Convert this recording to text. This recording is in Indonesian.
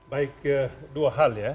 baik dua hal ya